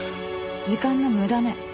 時間の無駄ね。